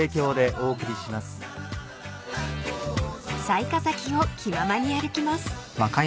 ［雑賀崎を気ままに歩きます］